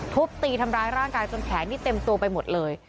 ทุบตีทำร้ายร่างกายจนแขนนี่เต็มตัวไปหมดเลย